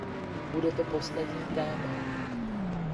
Bude to poslední téma.